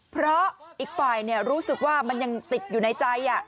เพราะอีกฝ่ายรู้สึกว่ามันยังติดอยู่ในใจ